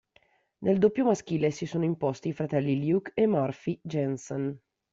Nel doppio maschile si sono imposti i fratelli Luke e Murphy Jensen.